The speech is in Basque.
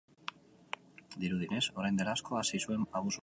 Dirudienez, orain dela asko hasi ziren abusuak.